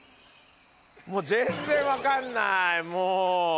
もう全然分かんないもう。